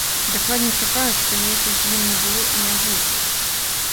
Дакладней, чакаюць, што ніякіх змен не было і не будзе.